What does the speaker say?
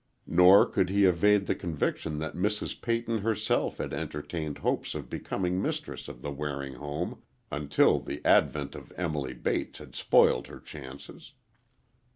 Nor could he evade the conviction that Mrs. Peyton herself had entertained hopes of becoming mistress of the Waring home, until the advent of Emily Bates had spoiled her chances.